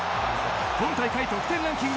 今大会得点ランキング